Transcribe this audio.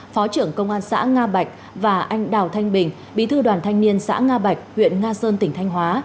phó trưởng công an xã nga bạch và anh đào thanh bình bí thư đoàn thanh niên xã nga bạch huyện nga sơn tỉnh thanh hóa